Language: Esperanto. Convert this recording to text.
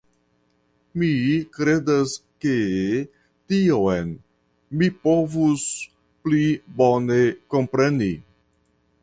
Mi kredas ke tion mi povus pli bone kompreni.